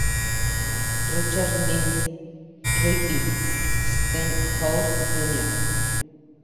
Richard Lynn "Ricky" Stenhouse, Jr.